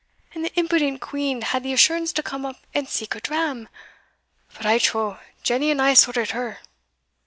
And the impudent quean had the assurance to come up and seek a dram But I trow, Jenny and I sorted her!"